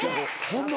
ホンマ